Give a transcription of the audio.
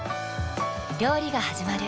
料理がはじまる。